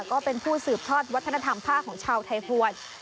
ก็เป็นผู้สืบทอดวัฒนธรรมผ้าของชาวไทยภวร